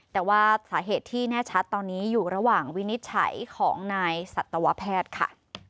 แต่ว่าสาเหตุที่แน่ชัดตอนนี้อยู่ระหว่างวินิจฉัยของนายสัตวแพทย์ค่ะ